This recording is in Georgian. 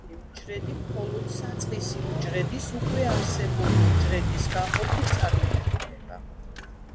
ყველა ახალი უჯრედი მხოლოდ საწყისი უჯრედის უკვე არსებული უჯრედის გაყოფით წარმოიქმნება.